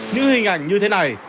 những hình ảnh như thế này